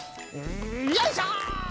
んよいしょ！